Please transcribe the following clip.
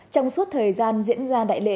trong suốt thời gian diễn ra đại lễ